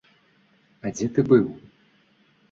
А дзе ты быў?